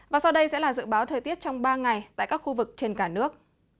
và sau đây sẽ là dự báo thời tiết trong ba ngày tại các khu vực trên cả nước